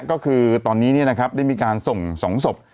ก็คือตอนนี้ได้มีการส่ง๒ศพ